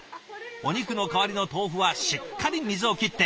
お肉の代わりの豆腐はしっかり水を切って！